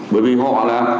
bởi vì họ là